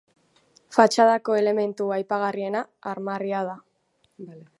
Fatxadako elementu aipagarriena armarria da.